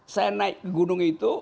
saya naik gunung itu